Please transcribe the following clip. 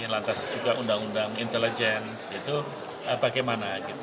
lantas juga undang undang intelligence itu bagaimana